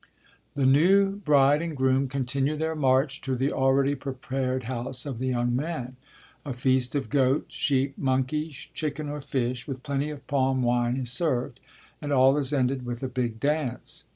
The new bride and groom continue their march to the already prepared house of the young man. A feast of goat, sheep, monkey, chicken or fish, with plenty of palm wine is served and all is ended with a big dance.